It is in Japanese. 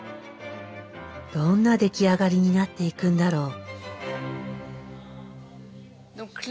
どんな出来上がりになっていくんだろう。